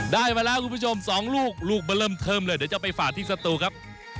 ได้มาแล้วคุณผู้ชม๒ลูกลูกมาเริ่มเทิมเลยเดี๋ยวจะไปฝากที่สตูครับ